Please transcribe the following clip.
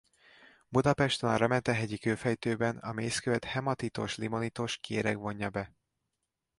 Budapesten a Remete-hegyi kőfejtőben a mészkövet hematitos-limonitos kéreg vonja be.